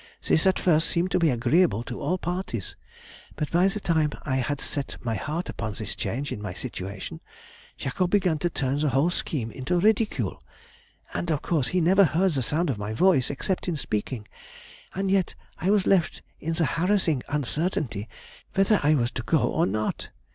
This at first seemed to be agreeable to all parties, but by the time I had set my heart upon this change in my situation, Jacob began to turn the whole scheme into ridicule, and, of course, he never heard the sound of my voice except in speaking, and yet I was left in the harassing uncertainty whether I was to go or not.